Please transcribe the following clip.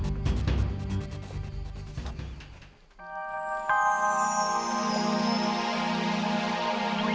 mau ngarepin apa deh kak indra